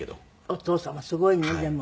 お父様すごいねでも。